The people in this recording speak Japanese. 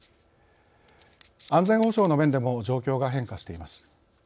安全保障の面でも状況が変化しています。